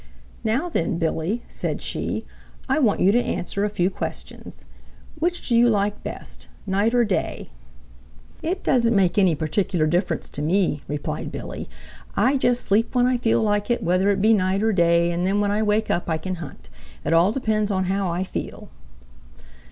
"Now then, Billy," said she, "I want you to answer a few questions. Which do you like best, night or day?" "It doesn't make any particular difference to me," replied Billy. "I just sleep when I feel like it, whether it be night or day, and then when I wake up I can hunt. It all depends on how I feel."